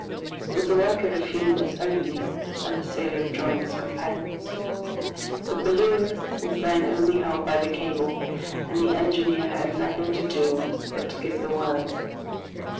It was the work of a few minutes only, and the sailor rejoined his companions. The balloon was then only held by the cable, and the engineer had nothing to do but to give the word.